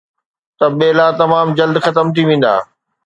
ته ٻيلا تمام جلد ختم ٿي ويندا.